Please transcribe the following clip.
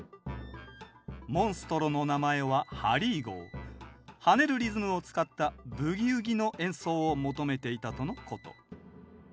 モンストロの名前は跳ねるリズムを使った「ブギウギ」の演奏を求めていたとのこと。